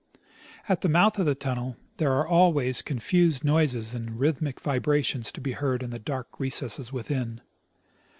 At the mouth of the tunnel there are always confused noises and rhythmic vibrations to be heard in the dark recesses within.